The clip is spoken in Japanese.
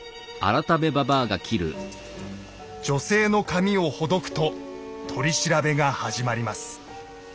女性の髪をほどくと取り調べが始まります。